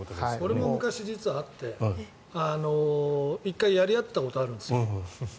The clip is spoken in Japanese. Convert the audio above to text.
俺も昔、実はあって１回やり合ったことがあるんです。